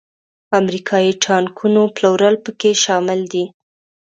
امریکایي ټانکونو پلورل پکې شامل دي.